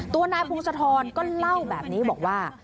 ตัวนายพงศธรก็เล่าแบบนี้บอกว่า